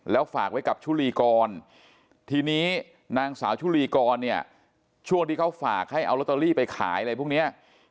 แล้วฝากไว้กับชุลีกรทีนี้นางสาวชุลีกรเนี่ยช่วงที่เขาฝากให้เอาลอตเตอรี่ไปขายอะไรพวกนี้